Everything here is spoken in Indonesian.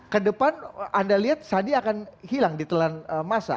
kedepan anda lihat sandi akan hilang di telan masa